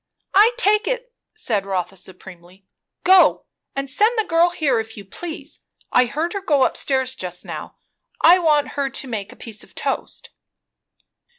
"I take it," said Rotha, supremely. "Go! and send the girl here, if you please. I heard her go up stairs just now. I want her to make a piece of toast."